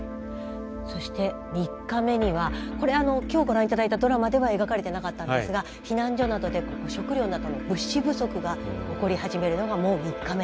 そして３日目にはこれあの今日ご覧いただいたドラマでは描かれてなかったんですが避難所などで食料などの物資不足が起こり始めるのがもう３日目。